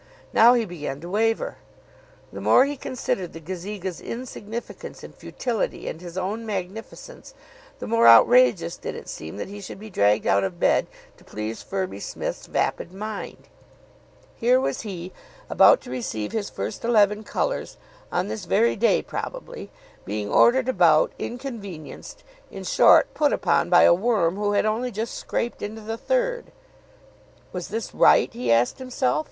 Now he began to waver. The more he considered the Gazeka's insignificance and futility and his own magnificence, the more outrageous did it seem that he should be dragged out of bed to please Firby Smith's vapid mind. Here was he, about to receive his first eleven colours on this very day probably, being ordered about, inconvenienced in short, put upon by a worm who had only just scraped into the third. Was this right, he asked himself.